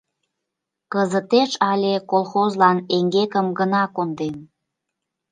— Кызытеш але колхозлан эҥгекым гына кондем.